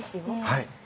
はい。